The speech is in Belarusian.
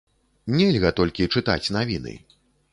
Нельга толькі чытаць навіны.